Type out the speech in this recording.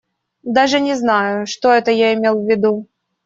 Даже не знаю, что это я имел в виду.